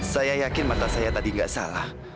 saya yakin mata saya tadi nggak salah